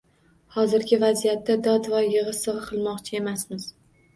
Hozirgi vaziyatda dod-voy, yigʻi-sigʻi qilmoqchi emasmiz.